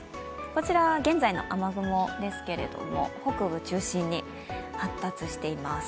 こちらは現在の雨雲ですけれども、北部中心に発達しています。